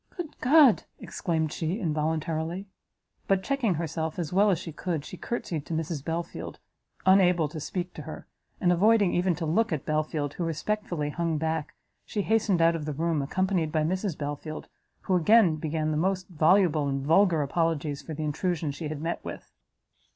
"Good God! " exclaimed she, involuntarily; but, checking herself as well as she could, she courtsied to Mrs Belfield, unable to speak to her, and avoiding even to look at Belfield, who respectfully hung back, she hastened out of the room: accompanied by Mrs Belfield, who again began the most voluble and vulgar apologies for the intrusion she had met with.